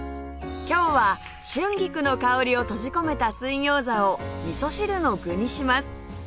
今日は春菊の香りを閉じ込めた水餃子を味噌汁の具にします